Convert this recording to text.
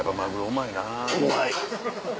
うまい。